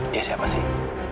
dia siapa sih